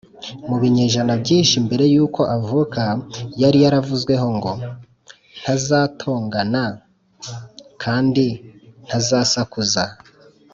mu binyejana byinshi mbere yuko avuka, yari yaravuzweho ngo, “ntazatongana kandi ntazasakuza,